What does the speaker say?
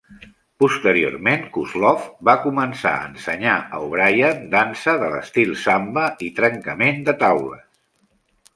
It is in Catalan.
Posteriorment, Kozlov va començar a ensenyar a O'Brian dansa de l'estil samba i trencament de taules.